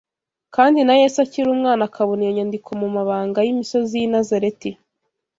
kandi na Yesu akiri umwana akabona iyo nyandiko mu mabanga y’imisozi y’i Nazareti